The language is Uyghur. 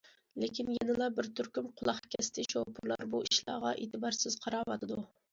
لېكىن يەنىلا بىر تۈركۈم« قۇلاق كەستى» شوپۇرلار بۇ ئىشلارغا ئېتىبارسىز قاراۋاتىدۇ.